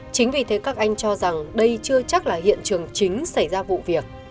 chính vì thế các anh cho rằng đây chưa chắc là hiện trường chính xảy ra vụ việc